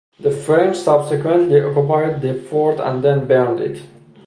The French subsequently occupied the fort and then burned it.